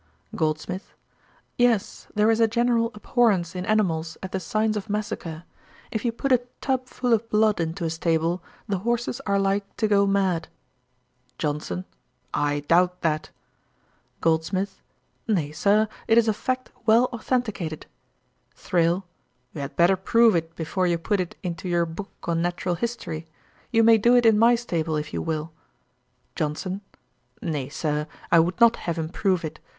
GOLDSMITH. 'Yes, there is a general abhorrence in animals at the signs of massacre. If you put a tub full of blood into a stable, the horses are like to go mad.' JOHNSON. 'I doubt that.' GOLDSMITH. 'Nay, Sir, it is a fact well authenticated.' THRALE. 'You had better prove it before you put it into your book on natural history. You may do it in my stable if you will.' JOHNSON. 'Nay, Sir, I would not have him prove it.